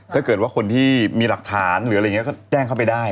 ถ้าเกิดว่าคนที่มีหลักฐานหรืออะไรอย่างนี้ก็แจ้งเข้าไปได้